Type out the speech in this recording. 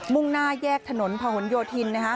่งหน้าแยกถนนพะหนโยธินนะคะ